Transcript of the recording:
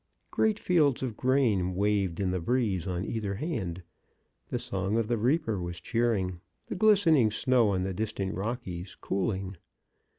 Great fields of grain waved in the breeze on either hand. The song of the reaper was cheering, the glistening snow on the distant Rockies, cooling.